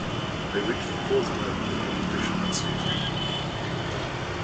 They reached the fourth round of the competition that season.